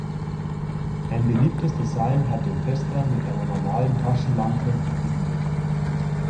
Ein beliebtes Design hat den Tester mit einer normalen Taschenlampe kombiniert.